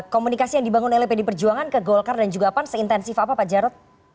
komunikasi yang dibangun oleh pdi perjuangan ke golkar dan juga pan seintensif apa pak jarod